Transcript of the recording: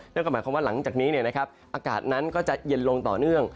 นั่นก็หมายความว่าหลังจากนี้อากาศนั้นก็จะเย็นลงต่อเนื่อง